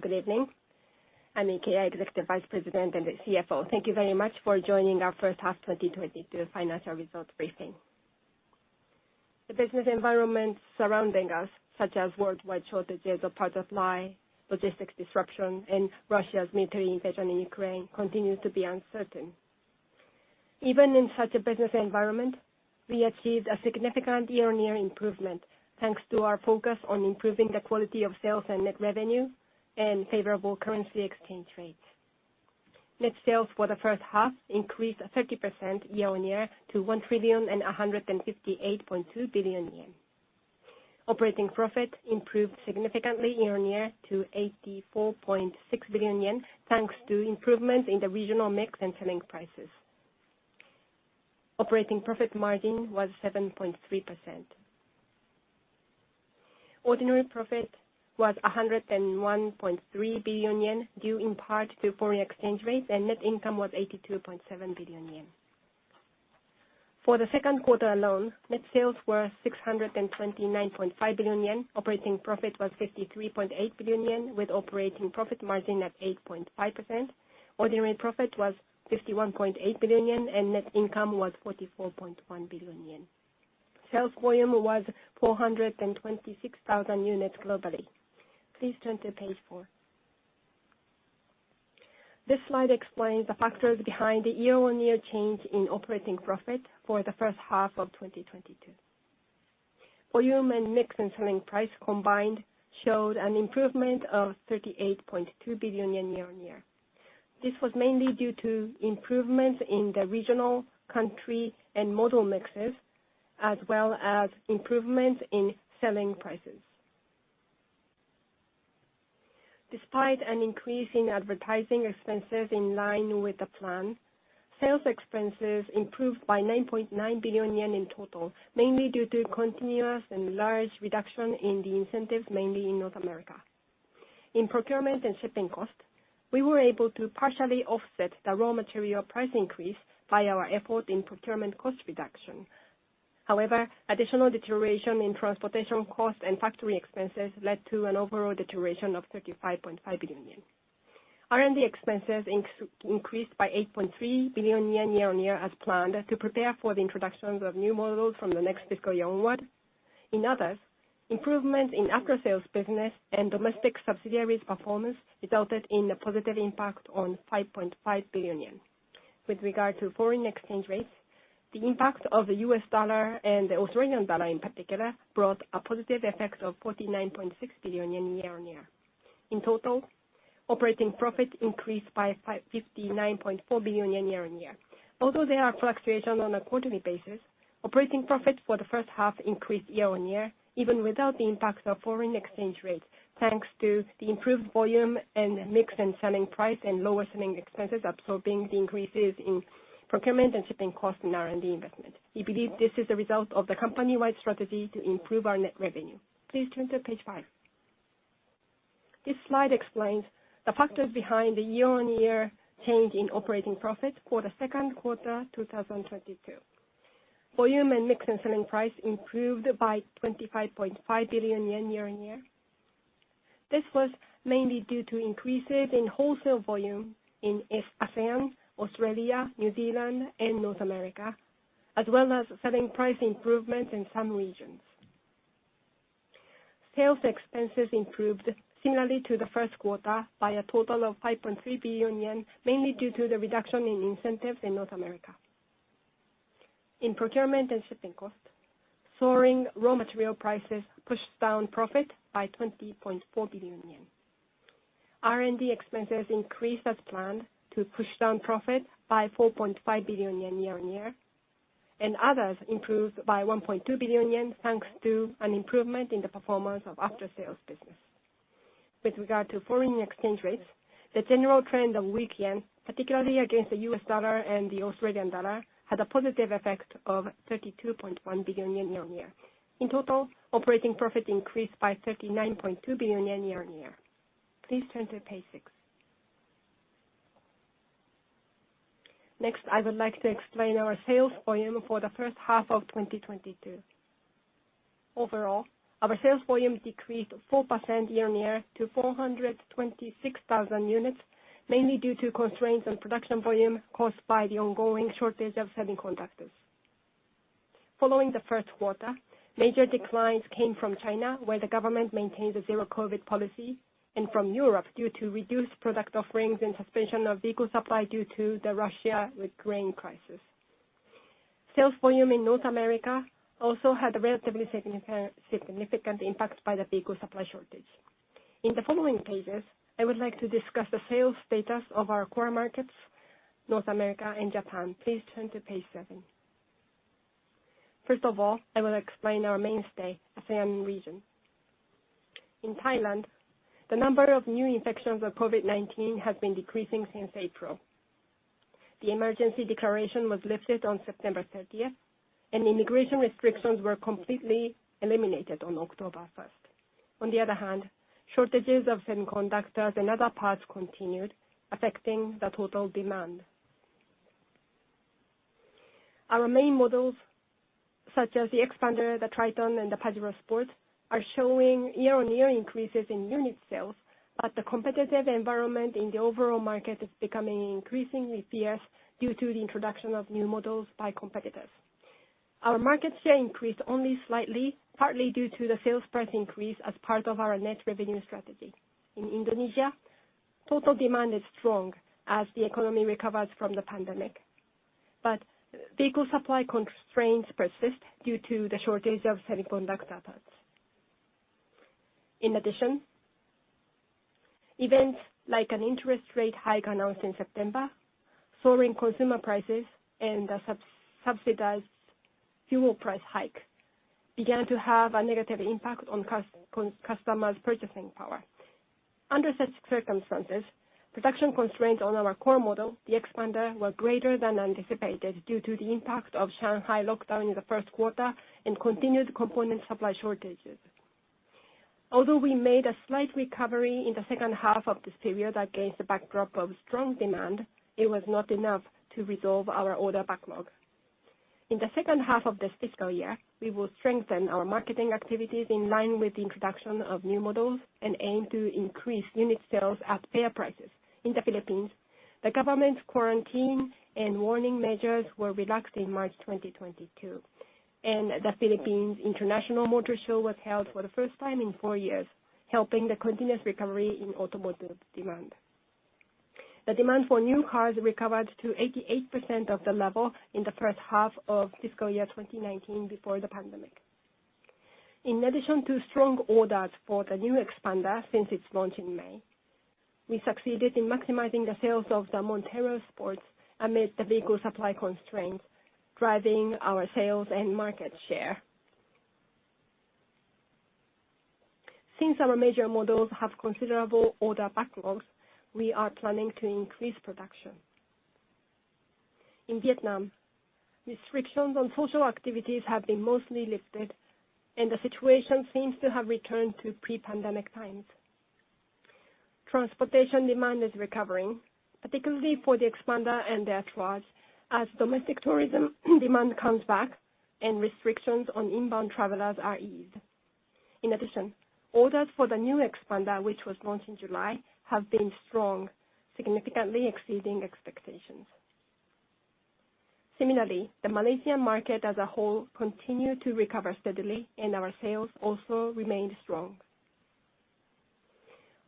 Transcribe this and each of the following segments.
Good evening. I'm Ikeya, Executive Vice President and CFO. Thank you very much for joining our First Half 2022 Financial Results Briefing. The business environment surrounding us, such as worldwide shortages of parts supply, logistics disruption, and Russia's military invasion in Ukraine, continues to be uncertain. Even in such a business environment, we achieved a significant year-on-year improvement, thanks to our focus on improving the quality of sales and net revenue and favorable currency exchange rates. Net sales for the first half increased 30% year-on-year to 1,158.2 billion yen. Operating profit improved significantly year-on-year to 84.6 billion yen, thanks to improvement in the regional mix and selling prices. Operating profit margin was 7.3%. Ordinary profit was 101.3 billion yen, due in part to foreign exchange rates, and net income was 82.7 billion yen. For the second quarter alone, net sales were 629.5 billion yen. Operating profit was 53.8 billion yen, with operating profit margin at 8.5%. Ordinary profit was 51.8 billion yen, and net income was 44.1 billion yen. Sales volume was 426,000 units globally. Please turn to page four. This slide explains the factors behind the year-on-year change in operating profit for the first half of 2022. Volume and mix and selling price combined showed an improvement of 38.2 billion yen year-on-year. This was mainly due to improvements in the regional country and model mixes, as well as improvements in selling prices. Despite an increase in advertising expenses in line with the plan, sales expenses improved by 9.9 billion yen in total, mainly due to continuous and large reduction in the incentives, mainly in North America. In procurement and shipping costs, we were able to partially offset the raw material price increase by our effort in procurement cost reduction. However, additional deterioration in transportation costs and factory expenses led to an overall deterioration of 35.5 billion yen. R&D expenses increased by 8.3 billion yen year-on-year as planned to prepare for the introductions of new models from the next fiscal year onward. In others, improvements in aftersales business and domestic subsidiaries performance resulted in a positive impact on 5.5 billion yen. With regard to foreign exchange rates, the impact of the US dollar and the Australian dollar in particular, brought a positive effect of 49.6 billion yen year-on-year. In total, operating profit increased by 59.4 billion yen year-on-year. Although there are fluctuations on a quarterly basis, operating profit for the first half increased year-on-year, even without the impacts of foreign exchange rate, thanks to the improved volume and mix and selling price and lower selling expenses absorbing the increases in procurement and shipping costs and R&D investment. We believe this is a result of the company-wide strategy to improve our net revenue. Please turn to page five. This slide explains the factors behind the year-on-year change in operating profit for the second quarter 2022. Volume and mix and selling price improved by 25.5 billion yen year-on-year. This was mainly due to increases in wholesale volume in ASEAN, Australia, New Zealand, and North America, as well as selling price improvements in some regions. Sales expenses improved similarly to the first quarter by a total of 5.3 billion yen, mainly due to the reduction in incentives in North America. In procurement and shipping costs, soaring raw material prices pushed down profit by 20.4 billion yen. R&D expenses increased as planned to push down profit by 4.5 billion yen year-on-year, and others improved by 1.2 billion yen, thanks to an improvement in the performance of after-sales business. With regard to foreign exchange rates, the general trend of weak yen, particularly against the US dollar and the Australian dollar, had a positive effect of 32.1 billion yen year-on-year. In total, operating profit increased by 39.2 billion yen year-on-year. Please turn to page six. Next, I would like to explain our sales volume for the first half of 2022. Overall, our sales volume decreased 4% year-on-year to 426,000 units, mainly due to constraints on production volume caused by the ongoing shortage of semiconductors. Following the first quarter, major declines came from China, where the government maintained the Zero-COVID policy, and from Europe due to reduced product offerings and suspension of vehicle supply due to the Russia-Ukraine crisis. Sales volume in North America also had a relatively significant impact by the vehicle supply shortage. In the following pages, I would like to discuss the sales status of our core markets, North America and Japan. Please turn to page seven. First of all, I will explain our mainstay, ASEAN region. In Thailand, the number of new infections of COVID-19 has been decreasing since April. The emergency declaration was lifted on September thirtieth, and immigration restrictions were completely eliminated on October first. On the other hand, shortages of semiconductors and other parts continued, affecting the total demand. Our main models, such as the Xpander, the Triton, and the Pajero Sport, are showing year-on-year increases in unit sales, but the competitive environment in the overall market is becoming increasingly fierce due to the introduction of new models by competitors. Our market share increased only slightly, partly due to the sales price increase as part of our net revenue strategy. In Indonesia, total demand is strong as the economy recovers from the pandemic, but vehicle supply constraints persist due to the shortage of semiconductor parts. In addition, events like an interest rate hike announced in September, soaring consumer prices, and a subsidized fuel price hike began to have a negative impact on customers' purchasing power. Under such circumstances, production constraints on our core model, the Xpander, were greater than anticipated due to the impact of Shanghai lockdown in the first quarter and continued component supply shortages. Although we made a slight recovery in the second half of this period against the backdrop of strong demand, it was not enough to resolve our order backlog. In the second half of this fiscal year, we will strengthen our marketing activities in line with the introduction of new models and aim to increase unit sales at fair prices. In the Philippines, the government's quarantine and warning measures were relaxed in March 2022, and the Philippine International Motor Show was held for the first time in four years, helping the continuous recovery in automotive demand. The demand for new cars recovered to 88% of the level in the first half of fiscal year 2019 before the pandemic. In addition to strong orders for the new Xpander since its launch in May, we succeeded in maximizing the sales of the Montero Sport amid the vehicle supply constraints, driving our sales and market share. Since our major models have considerable order backlogs, we are planning to increase production. In Vietnam, restrictions on social activities have been mostly lifted, and the situation seems to have returned to pre-pandemic times. Transportation demand is recovering, particularly for the Xpander and the Attrage, as domestic tourism demand comes back and restrictions on inbound travelers are eased. In addition, orders for the new Xpander, which was launched in July, have been strong, significantly exceeding expectations. Similarly, the Malaysian market as a whole continued to recover steadily, and our sales also remained strong.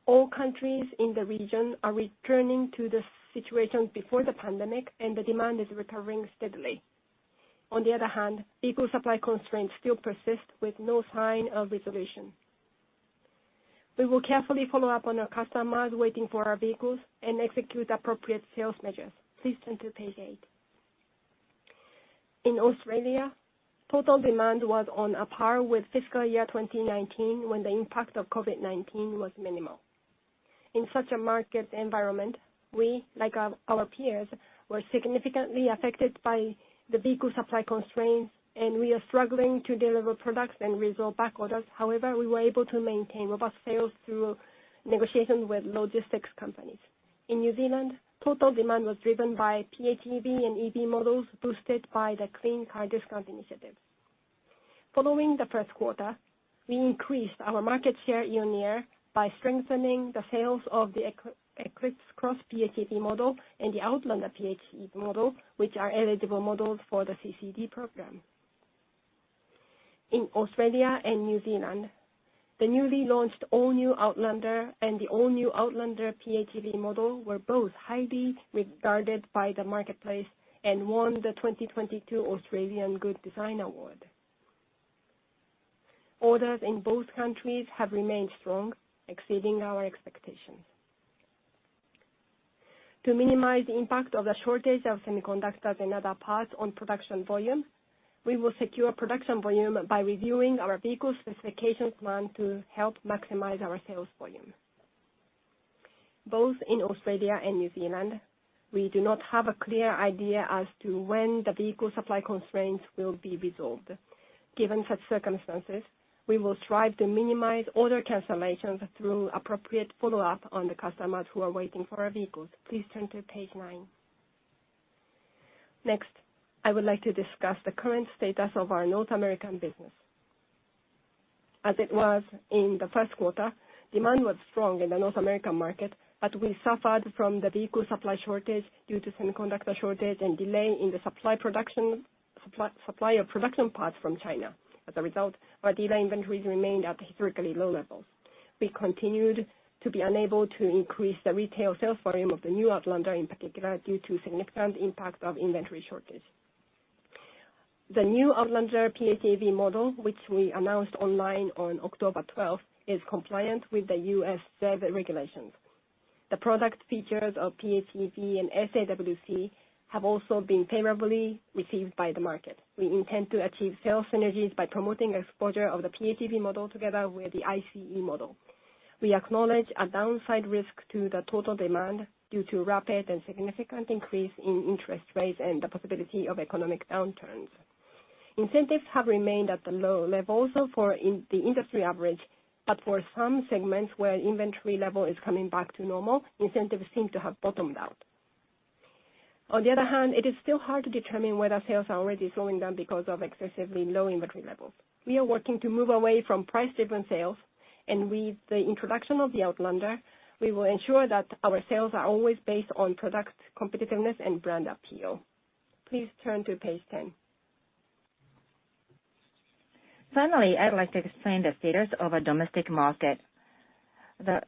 All countries in the region are returning to the situation before the pandemic, and the demand is recovering steadily. On the other hand, vehicle supply constraints still persist with no sign of resolution. We will carefully follow up on our customers waiting for our vehicles and execute appropriate sales measures. Please turn to page eight. In Australia, total demand was on a par with fiscal year 2019 when the impact of COVID-19 was minimal. In such a market environment, we, like our peers, were significantly affected by the vehicle supply constraints, and we are struggling to deliver products and resolve back orders. However, we were able to maintain robust sales through negotiations with logistics companies. In New Zealand, total demand was driven by PHEV and EV models boosted by the Clean Car Discount initiative. Following the first quarter, we increased our market share year-on-year by strengthening the sales of the Eclipse Cross PHEV model and the Outlander PHEV model, which are eligible models for the CCD program. In Australia and New Zealand, the newly launched all-new Outlander and the all-new Outlander PHEV model were both highly regarded by the marketplace and won the 2022 Australian Good Design Award. Orders in both countries have remained strong, exceeding our expectations. To minimize the impact of the shortage of semiconductors and other parts on production volume, we will secure production volume by reviewing our vehicle specifications plan to help maximize our sales volume. Both in Australia and New Zealand, we do not have a clear idea as to when the vehicle supply constraints will be resolved. Given such circumstances, we will strive to minimize order cancellations through appropriate follow-up on the customers who are waiting for our vehicles. Please turn to page nine. Next, I would like to discuss the current status of our North American business. As it was in the first quarter, demand was strong in the North American market, but we suffered from the vehicle supply shortage due to semiconductor shortage and delay in the supply of production parts from China. As a result, our dealer inventories remained at historically low levels. We continued to be unable to increase the retail sales volume of the new Outlander, in particular, due to significant impact of inventory shortage. The new Outlander PHEV model, which we announced online on 12 October 2023, is compliant with the US federal regulations. The product features of PHEV and SAWC have also been favorably received by the market. We intend to achieve sales synergies by promoting exposure of the PHEV model together with the ICE model. We acknowledge a downside risk to the total demand due to rapid and significant increase in interest rates and the possibility of economic downturns. Incentives have remained at the low levels for the industry average, but for some segments where inventory level is coming back to normal, incentives seem to have bottomed out. On the other hand, it is still hard to determine whether sales are already slowing down because of excessively low inventory levels. We are working to move away from price-driven sales, and with the introduction of the Outlander, we will ensure that our sales are always based on product competitiveness and brand appeal. Please turn to page ten. Finally, I would like to explain the status of our domestic market. The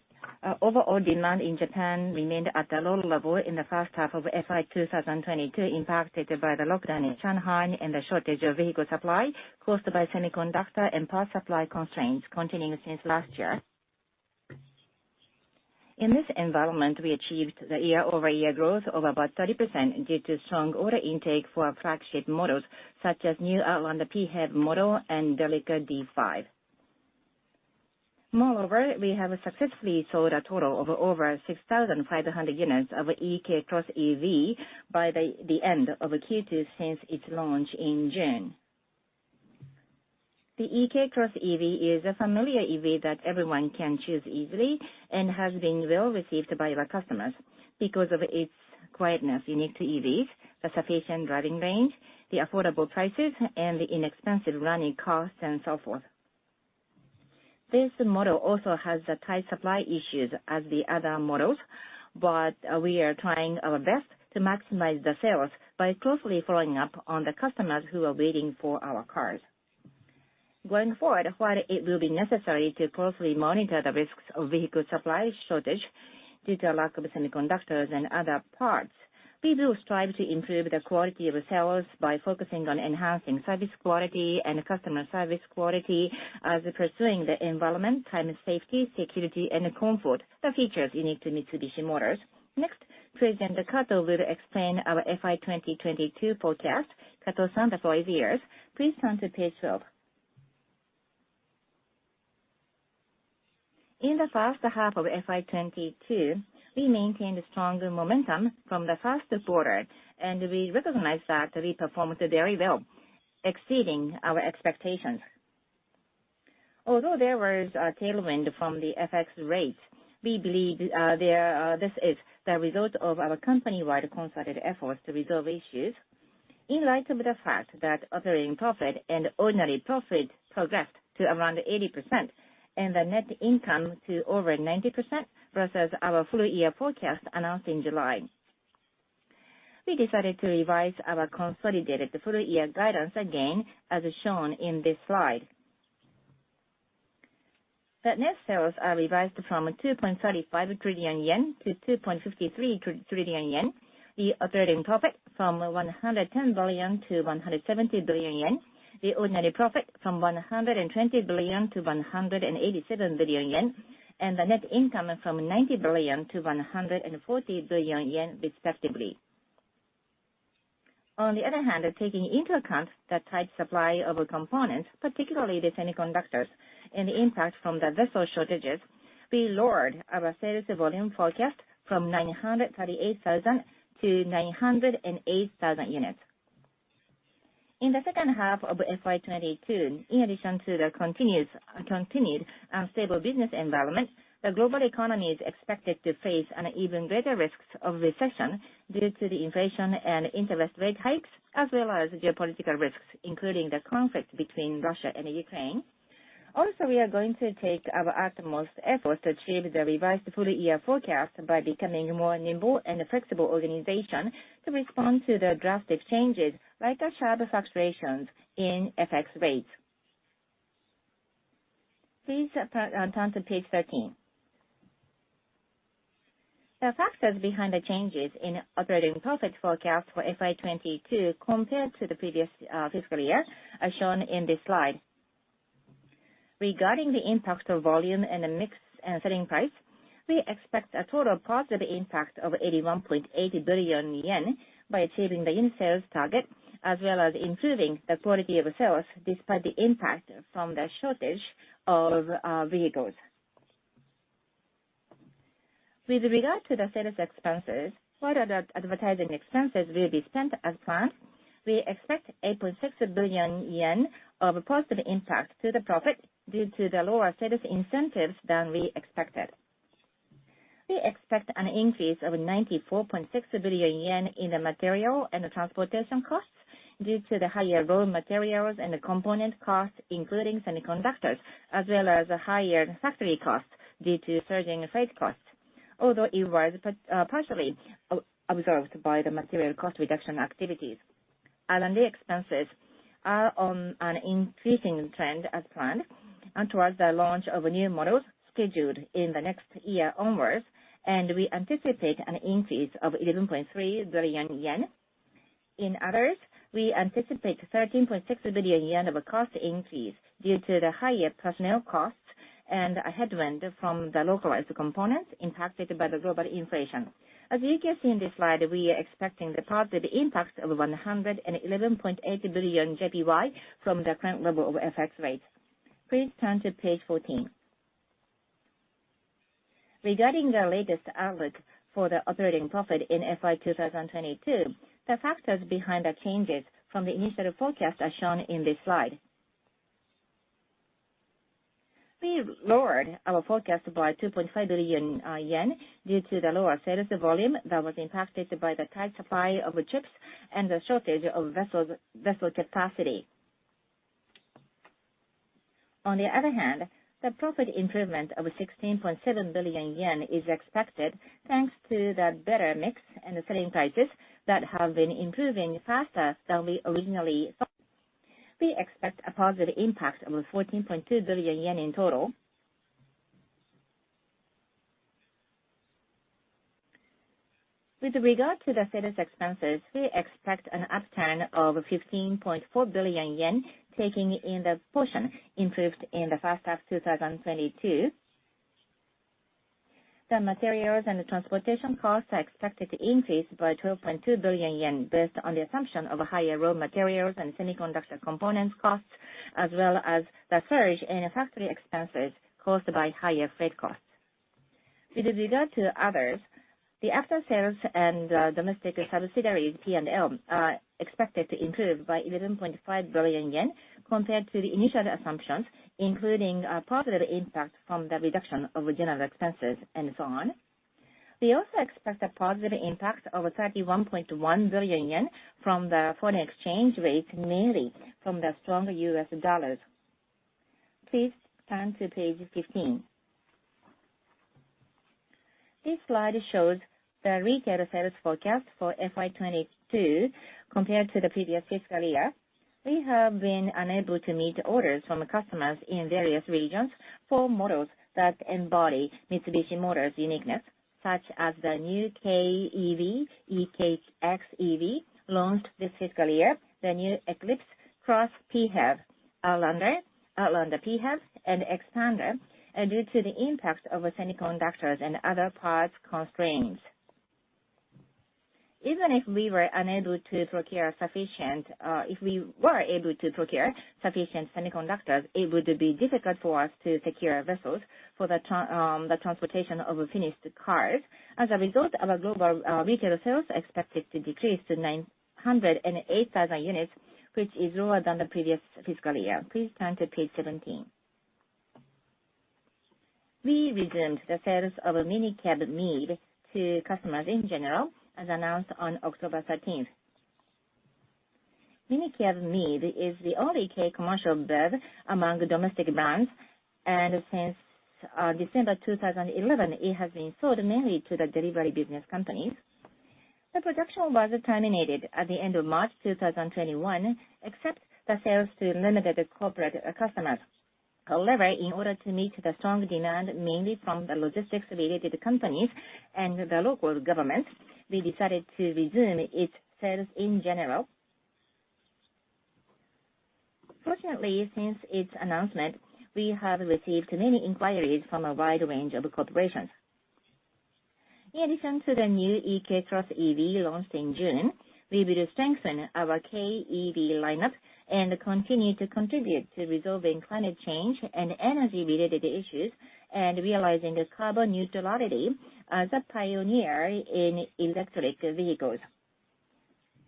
overall demand in Japan remained at a low level in the first half of fiscal year 2022, impacted by the lockdown in Shanghai and the shortage of vehicle supply caused by semiconductor and power supply constraints continuing since last year. In this environment, we achieved year-over-year growth of about 30% due to strong order intake for our flagship models, such as new Outlander PHEV model and Delica D:5. Moreover, we have successfully sold a total of over 6,500 units of eK X EV by the end of second quarter since its launch in June. The eK X EV is a familiar EV that everyone can choose easily and has been well received by our customers because of its quietness unique to EVs, the sufficient driving range, the affordable prices, and the inexpensive running costs and so forth. This model also has the tight supply issues as the other models, but, we are trying our best to maximize the sales by closely following up on the customers who are waiting for our cars. Going forward, while it will be necessary to closely monitor the risks of vehicle supply shortage due to a lack of semiconductors and other parts, we will strive to improve the quality of sales by focusing on enhancing service quality and customer service quality and pursuing the environment, climate safety, security, and comfort, the features unique to Mitsubishi Motors. Next, President Kato will explain our fiscal year 2022 forecast. Kato-san, the floor is yours. Please turn to page 12. In the first half of fiscal year 2022, we maintained a stronger momentum from the first quarter, and we recognize that we performed very well, exceeding our expectations. Although there was a tailwind from the FX rates, we believe this is the result of our company-wide concerted efforts to resolve issues in light of the fact that operating profit and ordinary profit progressed to around 80% and the net income to over 90% versus our full year forecast announced in July. We decided to revise our consolidated full year guidance again as shown in this slide. The net sales are revised from 2.35 to 2.53 trillion. The operating profit from 110 to 170 billion. The ordinary profit from 120 to 187 billion. The net income from 90 to 140 billion respectively. On the other hand, taking into account the tight supply of components, particularly the semiconductors and the impact from the vessel shortages, we lowered our sales volume forecast from 938,000 to 908,000 units. In the second half of fiscal year 2022, in addition to the continued unstable business environment, the global economy is expected to face an even greater risks of recession due to the inflation and interest rate hikes, as well as geopolitical risks, including the conflict between Russia and Ukraine. Also, we are going to take our utmost effort to achieve the revised full year forecast by becoming more nimble and a flexible organization to respond to the drastic changes, like the sharp fluctuations in FX rates. Please turn to page 13. The factors behind the changes in operating profit forecast for fiscal year 2022 compared to the previous fiscal year are shown in this slide. Regarding the impact of volume and the mix, selling price, we expect a total positive impact of 81.80 billion yen by achieving the unit sales target, as well as improving the quality of sales despite the impact from the shortage of vehicles. With regard to the sales expenses, further advertising expenses will be spent as planned. We expect 8.6 billion yen of positive impact to the profit due to the lower sales incentives than we expected. We expect an increase of 94.6 billion yen in the material and the transportation costs due to the higher raw materials and the component costs, including semiconductors, as well as higher factory costs due to surging freight costs, although it was partially observed by the material cost reduction activities. R&D expenses are on an increasing trend as planned and towards the launch of new models scheduled in the next year onwards, and we anticipate an increase of 11.3 billion yen. In others, we anticipate 13.6 billion yen of cost increase due to the higher personnel costs and a headwind from the localized components impacted by the global inflation. As you can see in this slide, we are expecting the positive impact of 111.8 billion JPY from the current level of FX rates. Please turn to page 14. Regarding the latest outlook for the operating profit in fiscal year 2022, the factors behind the changes from the initial forecast are shown in this slide. We have lowered our forecast by 2.5 billion yen due to the lower sales volume that was impacted by the tight supply of chips and the shortage of vessel capacity. On the other hand, the profit improvement of 16.7 billion yen is expected thanks to the better mix and selling prices that have been improving faster than we originally thought. We expect a positive impact of 14.2 billion yen in total. With regard to the sales expenses, we expect an upturn of 15.4 billion yen, taking in the portion improved in the first half 2022. The materials and transportation costs are expected to increase by 12.2 billion yen based on the assumption of higher raw materials and semiconductor components costs, as well as the surge in factory expenses caused by higher freight costs. With regard to others, the after sales and domestic subsidiaries P&L are expected to improve by 11.5 billion yen compared to the initial assumptions, including a positive impact from the reduction of general expenses and so on. We also expect a positive impact of 31.1 billion yen from the foreign exchange rate, mainly from the stronger US dollars. Please turn to page 15. This slide shows the retail sales forecast for fiscal year 2022 compared to the previous fiscal year. We have been unable to meet orders from customers in various regions for models that embody Mitsubishi Motors uniqueness, such as the new Kei EV, eK X EV, launched this fiscal year, the new Eclipse Cross PHEV, Outlander PHEV, and Xpander, due to the impact of semiconductors and other parts constraints. Even if we were able to procure sufficient semiconductors, it would be difficult for us to secure vessels for the transportation of finished cars. As a result, our global retail sales are expected to decrease to 908,000 units, which is lower than the previous fiscal year. Please turn to page 17. We resumed the sales of Minicab-MiEV to customers in general, as announced on 13 October 2023. Minicab-MiEV is the only kei commercial BEV among domestic brands, and since December 2011, it has been sold mainly to the delivery business companies. The production was terminated at the end of March 2021, except the sales to limited corporate customers. However, in order to meet the strong demand, mainly from the logistics-related companies and the local government, we decided to resume its sales in general. Fortunately, since its announcement, we have received many inquiries from a wide range of corporations. In addition to the new eK X EV launched in June, we will strengthen our Kei EV lineup and continue to contribute to resolving climate change and energy-related issues and realizing the carbon neutrality as a pioneer in electric vehicles.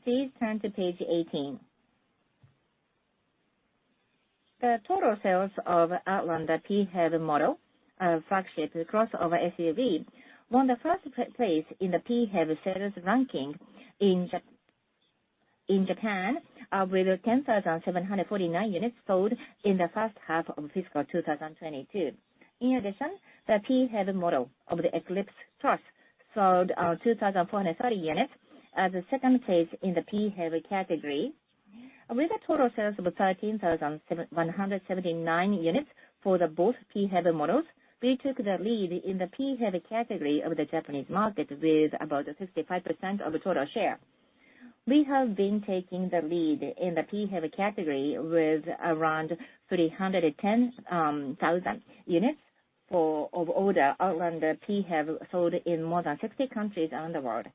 Please turn to page 18. The total sales of Outlander PHEV model, flagship crossover SUV, won the first place in the PHEV sales ranking in Japan, with 10,749 units sold in the first half of fiscal 2022. In addition, the PHEV model of the Eclipse Cross sold 2,430 units, at the second place in the PHEV category. With the total sales of 13,179 units for the both PHEV models, we took the lead in the PHEV category of the Japanese market with about 65% of the total share. We have been taking the lead in the PHEV category with around 310,000 units of Outlander PHEV sold in more than 60 countries around the world.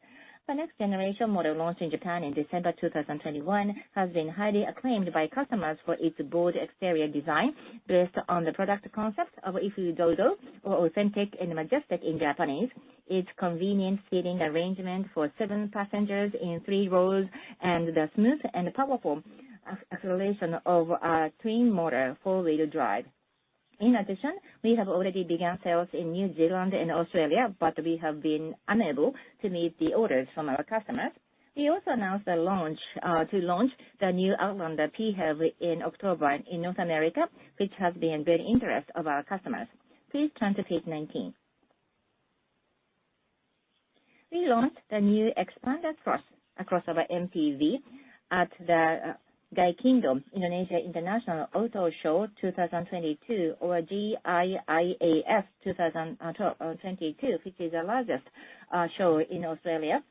The next generation model launched in Japan in December 2021 has been highly acclaimed by customers for its bold exterior design based on the product concept of I-FU-DO-DO, or authentic and majestic in Japanese, its convenient seating arrangement for seven passengers in three rows, and the smooth and powerful acceleration of our twin motor four-wheel drive. In addition, we have already begun sales in New Zealand and Australia, but we have been unable to meet the orders from our customers. We also announced the launch to launch the new Outlander PHEV in October in North America, which has generated great interest from our customers. Please turn to page 19. We launched the new Xpander Cross, a crossover MPV, at the Gaikindo Indonesia International Auto Show 2022, or GIIAS 2022, which is the largest show in Indonesia.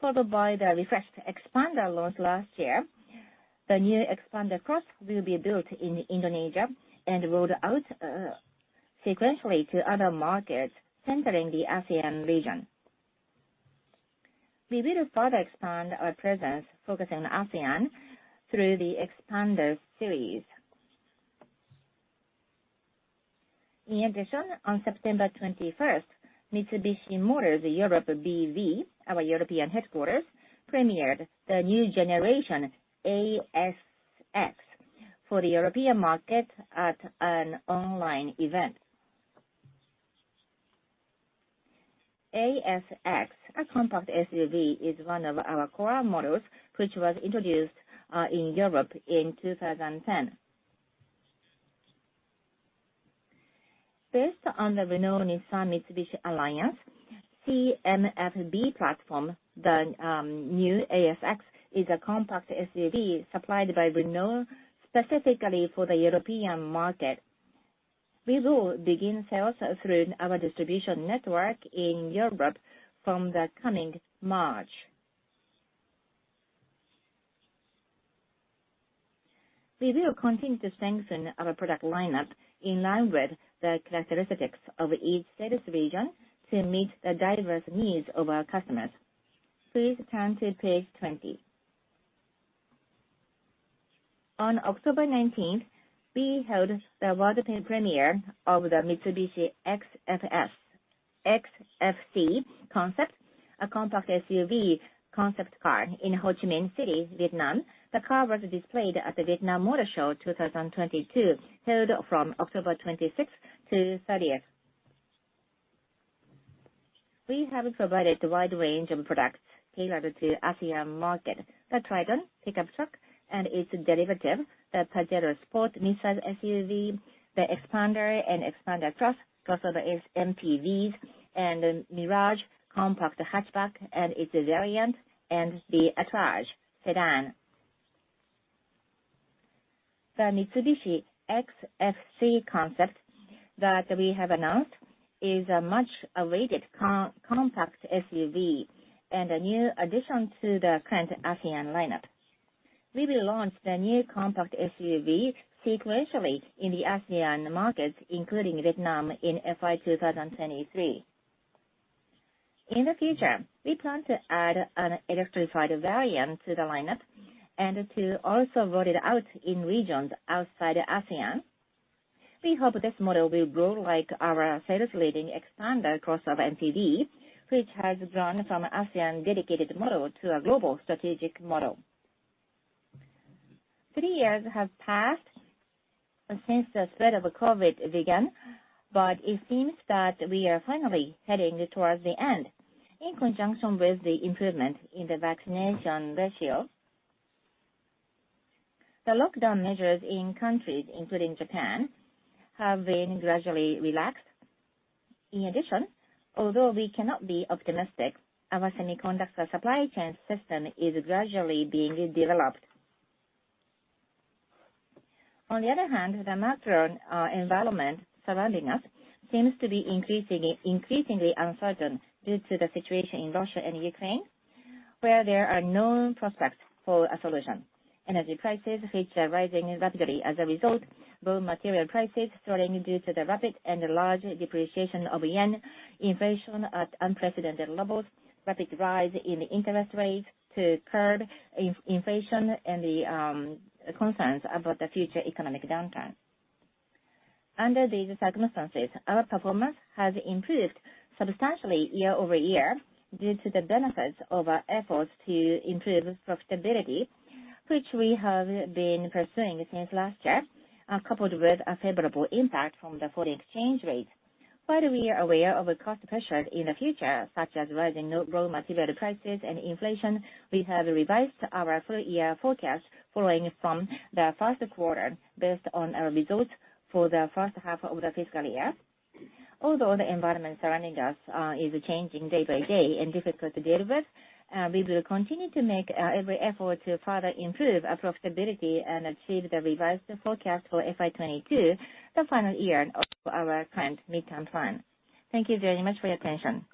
Followed by the refreshed Xpander launched last year, the new Xpander Cross will be built in Indonesia and rolled out sequentially to other markets centering the ASEAN region. We will further expand our presence focusing on ASEAN through the Xpander series. In addition, on 21 September 2023, Mitsubishi Motors Europe B.V., our European headquarters, premiered the new generation ASX for the European market at an online event. ASX, our compact SUV, is one of our core models, which was introduced in Europe in 2010. Based on the Renault-Nissan-Mitsubishi Alliance CMF-B platform, the new ASX is a compact SUV supplied by Renault specifically for the European market. We will begin sales through our distribution network in Europe from the coming March. We will continue to strengthen our product lineup in line with the characteristics of each sales region to meet the diverse needs of our customers. Please turn to page 20. On 19 October 2023, we held the world premiere of the Mitsubishi XFC Concept, a compact SUV concept car, in Ho Chi Minh City, Vietnam. The car was displayed at the Vietnam Motor Show 2022, held from 26 October 2023 to 30 October 2023. We have provided a wide range of products tailored to ASEAN market, the Triton pickup truck and its derivative, the Pajero Sport midsize SUV, the Xpander and Xpander Cross crossover MPVs, and the Mirage compact hatchback and its variant, and the Attrage sedan. The Mitsubishi XFC Concept that we have announced is a much-awaited compact SUV and a new addition to the current ASEAN lineup. We will launch the new compact SUV sequentially in the ASEAN market, including Vietnam in fiscal year 2023. In the future, we plan to add an electrified variant to the lineup and to also roll it out in regions outside ASEAN. We hope this model will grow like our sales leading Xpander crossover MPV, which has grown from ASEAN dedicated model to a global strategic model. Three years have passed since the spread of COVID began, but it seems that we are finally heading towards the end. In conjunction with the improvement in the vaccination ratio, the lockdown measures in countries including Japan have been gradually relaxed. In addition, although we cannot be optimistic, our semiconductor supply chain system is gradually being developed. On the other hand, the macro environment surrounding us seems to be increasingly uncertain due to the situation in Russia and Ukraine, where there are no prospects for a solution. Energy prices, which are rising rapidly as a result, raw material prices soaring due to the rapid and large depreciation of yen, inflation at unprecedented levels, rapid rise in interest rates to curb inflation and the concerns about the future economic downturn. Under these circumstances, our performance has improved substantially year-over-year due to the benefits of our efforts to improve profitability, which we have been pursuing since last year, coupled with a favorable impact from the foreign exchange rate. While we are aware of cost pressures in the future, such as rising raw material prices and inflation, we have revised our full year forecast following from the first quarter based on our results for the first half of the fiscal year. Although the environment surrounding us is changing day by day and difficult to deal with, we will continue to make every effort to further improve our profitability and achieve the revised forecast for fiscal year 2022, the final year of our current midterm plan. Thank you very much for your attention.